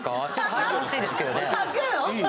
はいてほしいですけどねいい？